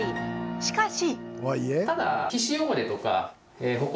しかし。